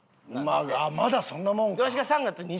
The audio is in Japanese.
まだそんなもんか。